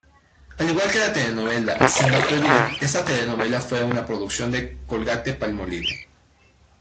Al igual que la telenovela "Senda prohibida" esta telenovela fue una producción de "Colgate-Palmolive".